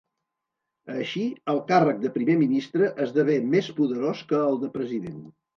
Així, el càrrec de primer ministre esdevé més poderós que el de president.